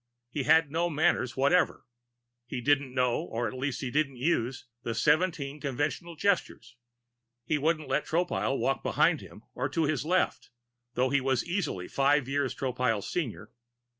He had no manners whatever. He didn't know, or at least didn't use, the Seventeen Conventional Gestures. He wouldn't let Tropile walk behind him and to his left, though he was easily five years Tropile's senior.